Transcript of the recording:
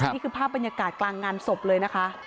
นี่คือภาพบรรยากาศกลางงานศพเลยนะคะ